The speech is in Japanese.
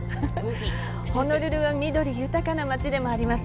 ホノルルは緑豊かな街でもあります。